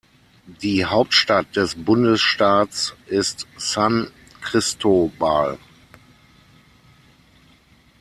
Die Hauptstadt des Bundesstaats ist San Cristóbal.